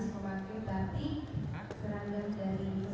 sampai di bandara